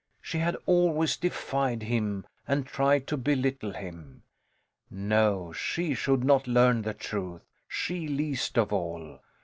She had always defied him and tried to belittle him. No, she should not learn the truth, she least of all.